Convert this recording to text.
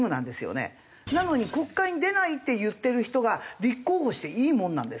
なのに国会に出ないって言ってる人が立候補していいものなんですか？